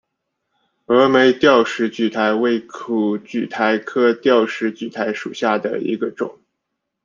峨眉吊石苣苔为苦苣苔科吊石苣苔属下的一个种。